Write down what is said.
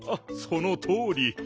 そのとおり。